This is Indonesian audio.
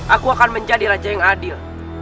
aku akan menjadi raja yang adil